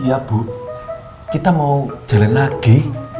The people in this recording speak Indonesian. iya bu kita mau jalan lagi